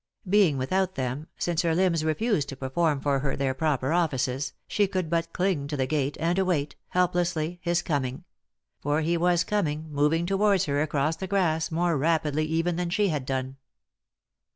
Being without them, since her limbs refused to perform for her their proper offices, she could hut cling to the gate, and await, helplessly, his coming; for he was coming, moving towards her across the grass more rapidly even than she had done.